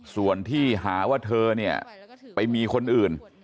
ส่วนที่หาว่าเธอเนี่ยไปมีคนอื่น